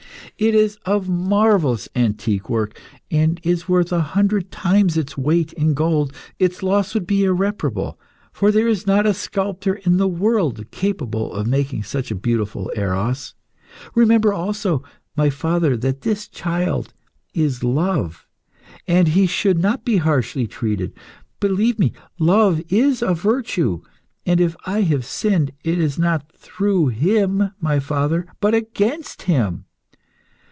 It is of marvellous antique work, and is worth a hundred times its weight in gold. Its loss would be irreparable, for there is not a sculptor in the world capable of making such a beautiful Eros. Remember also, my father, that this child is Love, and he should not be harshly treated. Believe me, Love is a virtue, and if I have sinned, it is not through him, my father, but against him.